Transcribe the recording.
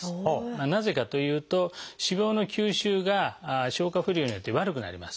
なぜかというと脂肪の吸収が消化不良によって悪くなります。